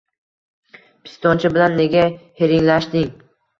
pistonchi bilan nega hiringlashding…